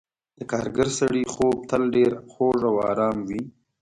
د کارګر سړي خوب تل ډېر خوږ او آرام وي.